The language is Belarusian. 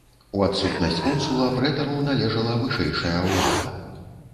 У адсутнасць консула прэтару належала вышэйшая ўлада.